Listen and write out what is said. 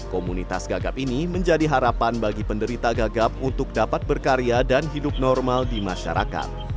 komunitas gagap ini menjadi harapan bagi penderita gagap untuk dapat berkarya dan hidup normal di masyarakat